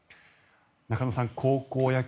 中野さん、高校野球